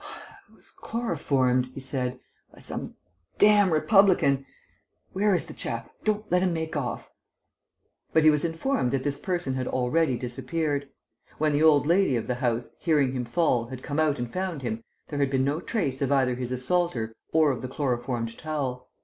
"I was chloroformed," he said, "by some damned Republican. Where is the chap? Don't let him make off." But he was informed that this person had already disappeared. When the old lady of the house, hearing him fall, had come out and found him, there had been no trace of either his assaulter or of the chloroformed towel.